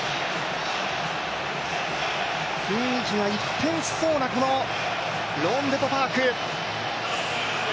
雰囲気が一変しそうなローンデポ・パーク。